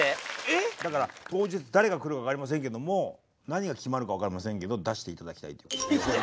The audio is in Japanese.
だから当日誰が来るか分かりませんけども何が決まるか分かりませんけど出して頂きたいという。